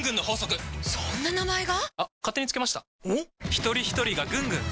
ひとりひとりがぐんぐん！